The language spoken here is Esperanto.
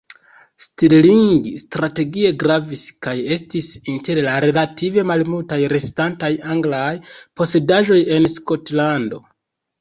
Stirling strategie gravis kaj estis inter la relative malmultaj restantaj anglaj posedaĵoj en Skotlando.